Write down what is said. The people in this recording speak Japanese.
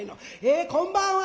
えこんばんは！